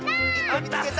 みつけた？